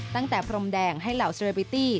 ตั้งแต่พรมแดงให้เหล่าเซอร์เรบิตี้